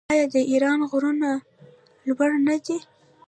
آیا د ایران غرونه لوړ نه دي؟